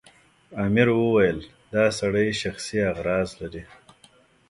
امیر وویل دا سړی شخصي اغراض لري.